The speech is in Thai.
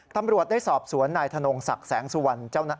ตำรวจได้สอบสวนนายธนงศักดิ์แสงสุวรรณ